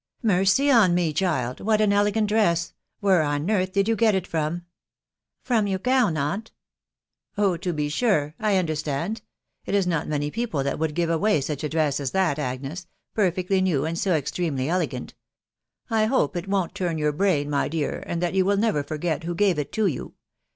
u Mercy on me, child'! — What asuAegaivt A essl ~ Where *n earth did you get it from ?"•" from your gown, aunt." u Oh, tofcewirel— £ mderstand. It « not many people that would give away such a dress as that, Agnes — <perfectly new, and so extremely .elegant. I hope it won't torn your brain, my dear, and that you wiH never forget who gave it to you.